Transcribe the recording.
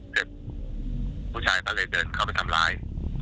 ผู้ชายก็เลยเดินเข้าไปทำร้าย